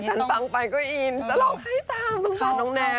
ฉันฟังไปก็อินจะร้องไห้ตามสงสารน้องแนน